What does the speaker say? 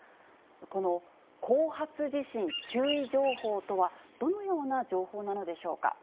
この後発地震注意情報とは、どのような情報なのでしょうか。